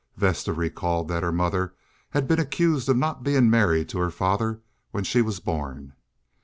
Vesta recalled that her mother had been accused of not being married to her father when she was born.